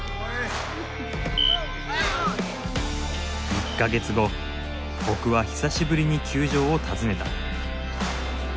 １か月後僕は久しぶりに球場を訪ねた。